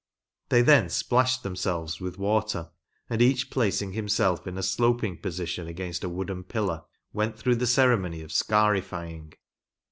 They then splashed themselves with water, and each pUicing himself in a sloping position against a wooden pillar, went through the ceremony of "scarifying."